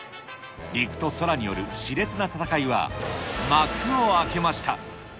陸と空によるしれつな戦いは、幕を開けました。